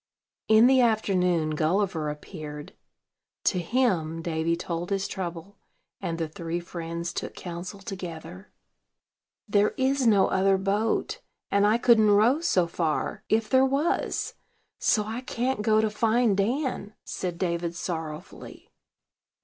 In the afternoon Gulliver appeared: to him Davy told his trouble, and the three friends took counsel together. "There is no other boat; and I couldn't row so far, if there was: so I can't go to find Dan," said David sorrowfully.